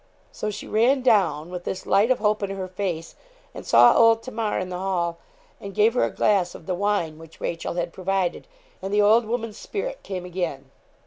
So, she ran down with this light of hope in her face, and saw old Tamar in the hall, and gave her a glass of the wine which Rachel had provided, and the old woman's spirit came again.